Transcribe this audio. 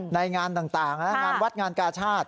ในงานต่างงานวัดงานกาชาติ